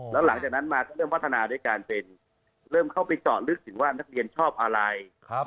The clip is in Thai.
แล้วหลังจากนั้นมาก็เริ่มพัฒนาด้วยการเป็นเริ่มเข้าไปเจาะลึกถึงว่านักเรียนชอบอะไร